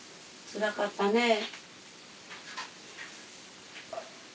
つらかったねぇ。